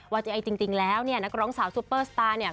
ว่าจริงแล้วนักร้องสาวซุปเปอร์สตาร์เนี่ย